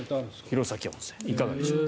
弘前温泉いかがでしょう。